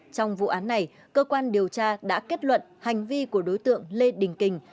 trong vụ án này cơ quan điều tra đã kết luận hành vi của đối tượng lê đình kình